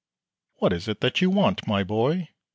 "What is it that you want, my boy?"